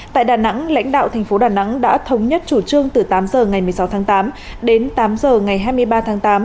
tại đà nẵng lãnh đạo thành phố đà nẵng đã thống nhất chủ trương từ tám h ngày một mươi sáu tháng tám đến tám h ngày hai mươi ba tháng tám